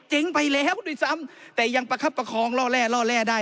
ไปแล้วด้วยซ้ำแต่ยังประคับประคองล่อแร่ล่อแร่ได้